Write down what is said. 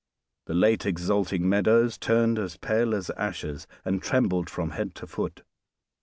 The late exulting Meadows turned as pale as ashes, and trembled from head to foot.